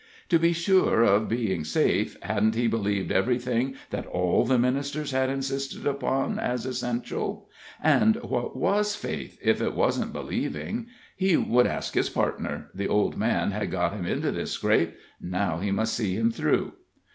To be sure of being safe, hadn't he believed everything that all the ministers had insisted upon as essential? And what was faith, if it wasn't believing? He would ask his partner; the old man had got him into this scrape now he must see him through.